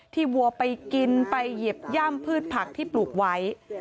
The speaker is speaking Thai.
วัวไปกินไปเหยียบย่ำพืชผักที่ปลูกไว้